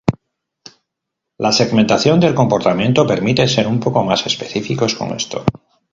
La segmentación del comportamiento permite ser un poco más específicos con esto.